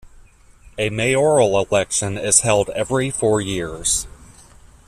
A Mayoral election is held every four years.